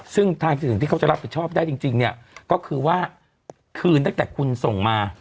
ซึ่งทางสิ่งที่เขาจะรับผิดชอบได้จริงเนี่ยก็คือว่าคืนตั้งแต่คุณส่งมา